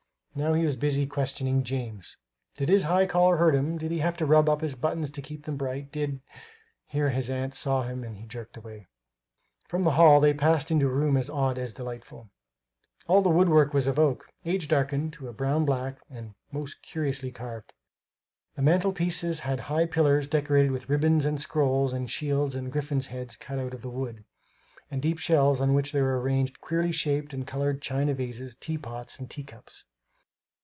Now he was busy questioning James: Did his high collar hurt him? Did he have to rub up his buttons to keep them bright? Did here his aunt saw him and jerked him away. From the hall they passed into a room as odd as delightful. All the woodwork was of oak, age darkened to a brown black, and most curiously carved. The mantelpiece had high pillars decorated with ribbons and scrolls and shields and griffin's heads cut out of the wood; and deep shelves on which were arranged queerly shaped and colored china vases, teapots and teacups.